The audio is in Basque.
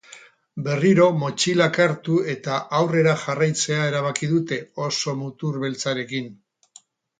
Berriro motxilak hartu eta aurrera jarraitzea erabaki dute, oso mutur beltzarekin.